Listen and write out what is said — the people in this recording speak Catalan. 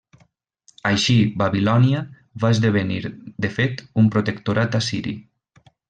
Així Babilònia va esdevenir de fet un protectorat assiri.